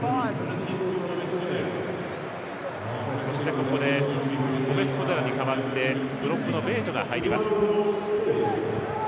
ここでゴメスコデラに代わってプロップのベージョが入ります。